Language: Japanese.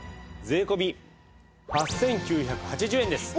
税込８９８０円です。